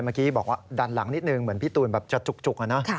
เมื่อกี้บอกว่าดันหลังนิดนึงเหมือนพี่ตูนแบบจะจุกอะนะ